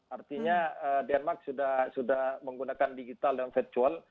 artinya denmark sudah menggunakan digital dan virtual